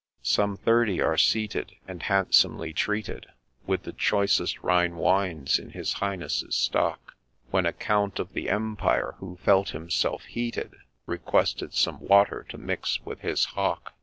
Some thirty are seated, and handsomely treated With the choicest Rhine wines in his Highness's stock ; When a Count of the Empire, who felt himself heated, Requested some water to mix with his Hock.